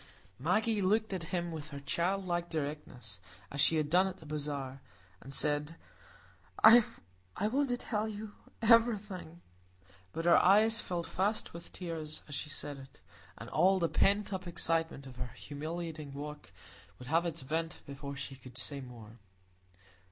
Maggie looked at him with her childlike directness as she had done at the bazaar, and said, "I want to tell you everything." But her eyes filled fast with tears as she said it, and all the pent up excitement of her humiliating walk would have its vent before she could say more.